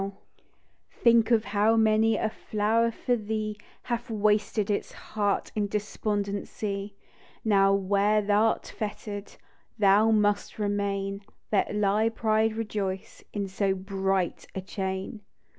THE DEW DEOP. 86 " Think of how many A flower for thee, Hath wasted its heart In despondency. "Now where thou 'rt fetter'd Thou must remain ; Let thy pride rejoice In so bright a chain."